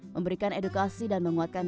memberikan edukasi dan menguatkan